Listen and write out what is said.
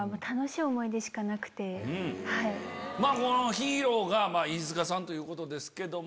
ヒーローが飯塚さんということですけども。